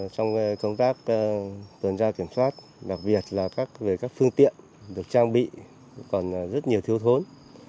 trong công tác tuần tra kiểm soát đặc biệt là về các phương tiện được trang bị còn rất nhiều thiếu thốn